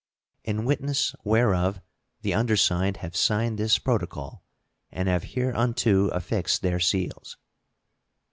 In witness whereof the undersigned have signed this protocol and have hereunto affixed their seals.